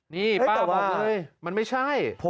นี่ป้าบอกมันไม่ใช่